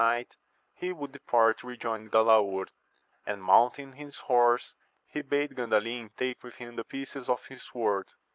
night, he would depart to rejoin Galaor ; and mount ing horse, he bade Gandalin take with him the pieces of his sword.